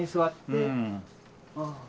うん。